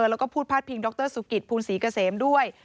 แล้วก็พูดพาดพิงดรสุกิตภูลศรีเกษมด้วย